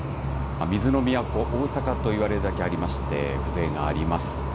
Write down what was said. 水の都大阪と言われるだけありまして風情があります。